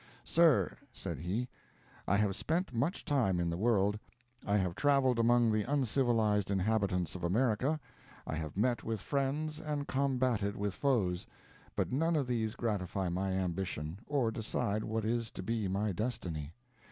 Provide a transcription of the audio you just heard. "Sir," said he, "I have spent much time in the world. I have traveled among the uncivilized inhabitants of America. I have met with friends, and combated with foes; but none of these gratify my ambition, or decide what is to be my destiny.